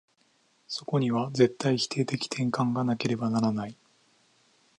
そこには絶対否定的転換がなければならない。